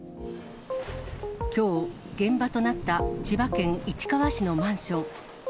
きょう、現場となった千葉県市川市のマンション。